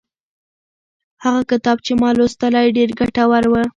هغه کتاب چې ما لوستلی ډېر ګټور و.